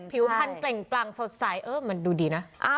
ผิวพันธ์เปล่งปลังสดใสเออมันดูดีนะ